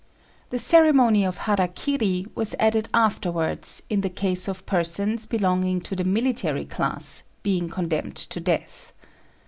The ceremony of hara kiri was added afterwards in the case of persons belonging to the military class being condemned to death.